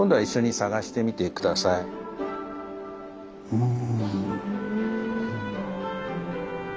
うん。